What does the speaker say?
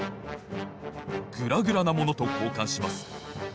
グラグラなものとこうかんします。